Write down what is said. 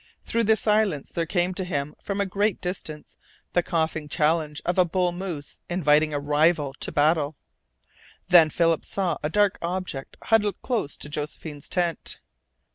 Through the silence there came to him from a great distance the coughing challenge of a bull moose inviting a rival to battle. Then Philip saw a dark object huddled close to Josephine's tent.